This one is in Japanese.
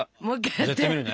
やってみるね。